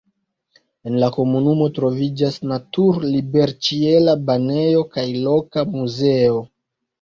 En la komunumo troviĝas natur-liberĉiela banejo kaj loka muzeo.